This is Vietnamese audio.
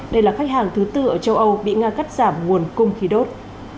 đây là khách hàng thứ tư ở châu âu bị nga cắt giảm nguồn cung khí đốt